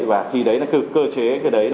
và khi đấy nó cơ chế